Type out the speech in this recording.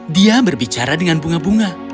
dia berbicara dengan bunga bunga